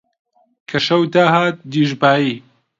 کە شەو داهات دیژبانی